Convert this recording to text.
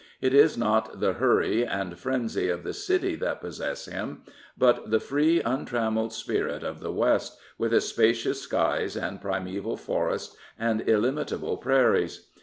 It IS not the hurry and frenzy of the city that possesses him; but the free, untrammelled spirit of the West, with its spacious skies and primeval forests and illimitable prairies.